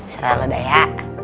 serah lo dah ya